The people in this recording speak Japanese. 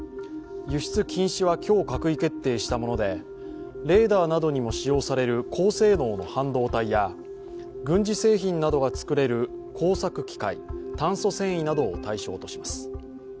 輸出禁止は今日閣議決定したものでレーダーなどにも使用される高性能の半導体や軍事製品などが作れる工作機械、炭素繊維などを対象とします。